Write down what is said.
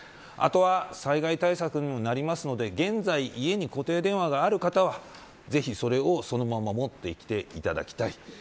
あとは、災害対策にもなるので現在、家に固定電話がある方はぜひ、それをそのまま持っていっていただきたい。